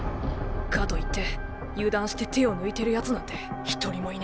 かといって油断して手を抜いてるやつなんて一人もいねえ。